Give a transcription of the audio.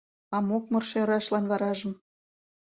А мокмыр шӧрашлан варажым